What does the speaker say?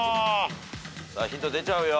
ヒント出ちゃうよ。